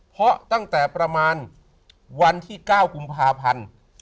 เพราะตั้งแต่ประมาณวันที่๙กุมภาพันธ์